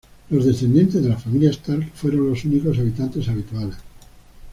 Los descendientes de la familia Stark fueron los únicos habitantes habituales.